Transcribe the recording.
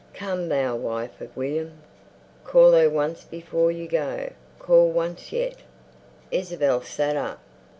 "Come, thou wife of William!" "Call her once before you go, call once yet!" Isabel sat up.